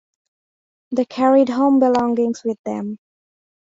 They carried home belongings with them.